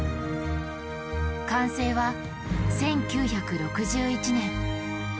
完成は１９６１年。